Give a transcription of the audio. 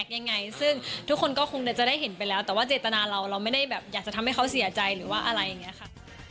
ยังไงซึ่งทุกคนก็คงจะได้เห็นไปแล้วแต่ว่าเจตนาเราเราไม่ได้แบบอยากจะทำให้เขาเสียใจหรือว่าอะไรอย่างนี้ค่ะ